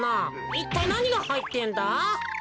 いったいなにがはいってんだ？